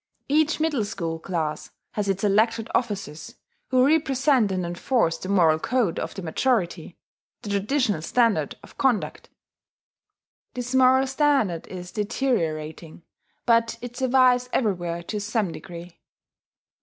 Each middle school class has its elected officers, who represent and enforce the moral code of the majority, the traditional standard of conduct. (This moral standard is deteriorating; but it survives everywhere to some degree.)